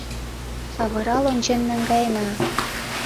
Савырал ончен наҥгаена.